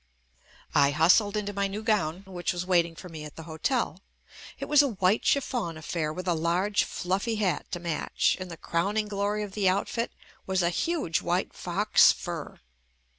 I hustled into my new gown, which was wait ing for me at the hotel. It was a white chiffon affair with a large fluffy hat to match, and the crowning glory of the outfit was a huge white fox fur.